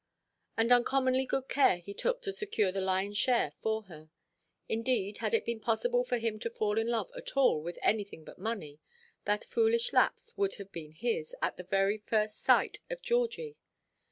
And uncommonly good care he took to secure the lionʼs share for her. Indeed, had it been possible for him to fall in love at all with anything but money, that foolish lapse would have been his, at the very first sight of Georgie.